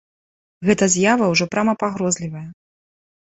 Гэта з'ява ўжо прама пагрозлівая.